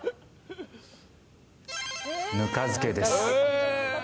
ぬか漬けです。